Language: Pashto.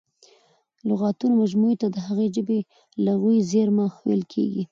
د لغاتونو مجموعې ته د هغې ژبي لغوي زېرمه ویل کیږي.